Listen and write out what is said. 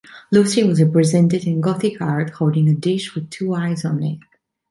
Lucy was represented in Gothic art holding a dish with two eyes on it.